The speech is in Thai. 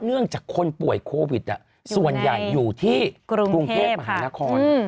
เนื่องจากคนป่วยโควิดส่วนใหญ่อยู่ที่กรุงเทพมหานคร